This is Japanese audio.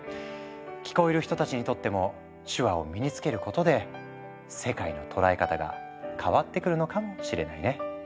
聞こえる人たちにとっても手話を身につけることで世界の捉え方が変わってくるのかもしれないね。